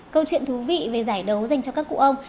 câu chuyện thú vị về giải đấu dành cho các cụ ông